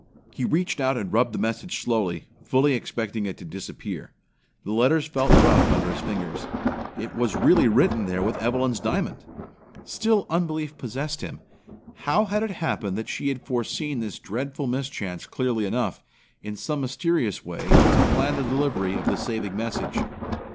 He reached out and rubbed the message slowly, fully expecting it to disappear. The letters felt rough under his fingers. It was really written there with Evelyn's diamond. Still unbelief possessed him. How had it happened that she had foreseen this dreadful mischance clearly enough, in some mysterious way, to plan the delivery of the saving message?